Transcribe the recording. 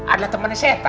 ada temennya setan